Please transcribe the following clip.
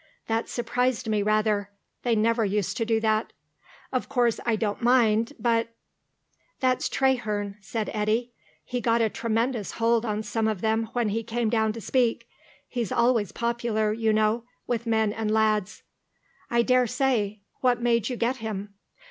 That surprised me rather. They never used to do that. Of course I don't mind, but " "That's Traherne," said Eddy. "He got a tremendous hold on some of them when he came down to speak. He's always popular, you know, with men and lads." "I daresay. What made you get him?"